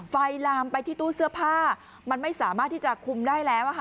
ลามไปที่ตู้เสื้อผ้ามันไม่สามารถที่จะคุมได้แล้ว